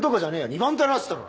弐番隊のやつだろ？